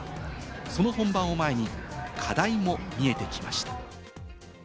その本番を前に課題も見えてきました。